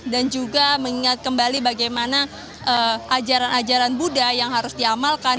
dan juga mengingat kembali bagaimana ajaran ajaran buddha yang harus diamalkan